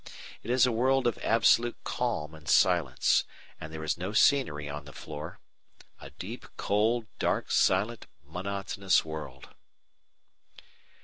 It is a world of absolute calm and silence, and there is no scenery on the floor. A deep, cold, dark, silent, monotonous world!